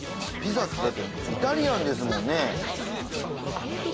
ピザってだってイタリアンですもんね。